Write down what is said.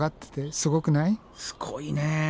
すごいね。